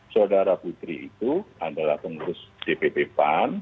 saudara putri itu adalah pengurus dpp pan